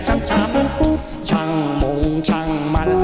ช้างช้ามมุ้วปุ๊บช้างมงช้างมัน